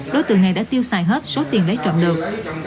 đối tượng này đã tiêu xài hết số tiền lấy trộm được